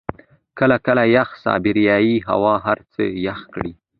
کله کله یخه سایبریايي هوا هر څه يخ کړي.